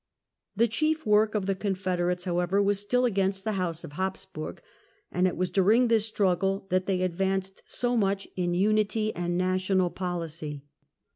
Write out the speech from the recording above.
The chief work of the Confederates, however, was still against the House of Habsburg, and it was during this struggle that they advanced so much in unity and national policy.